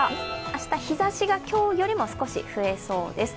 明日、日ざしが今日よりも少し増えそうです。